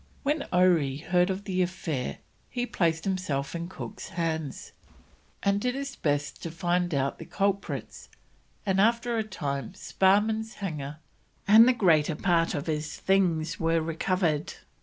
When Oree heard of the affair he placed himself in Cook's hands, and did his best to find out the culprits, and after a time Sparrman's hanger and the greater part of his things were recovered.